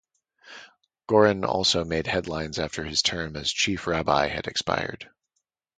Goren also made headlines after his term as Chief Rabbi had expired.